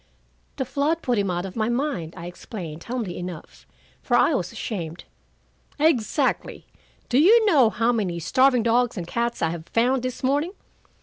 "The flood put him out of my mind," I explained, humbly enough, for I was ashamed. "Exactly. Do you know how many starving dogs and cats I have found this morning?"